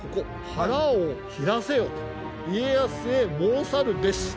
「腹を切らせよと家康へ申さるべし」